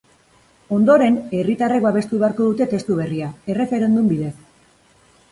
Ondoren, herritarrek babestu beharko dute testu berria, erreferendum bidez.